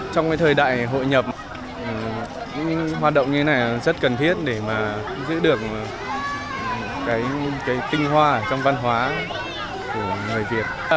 trong cái thời đại hội nhập những hoạt động như thế này rất cần thiết để mà giữ được cái tinh hoa trong văn hóa của người việt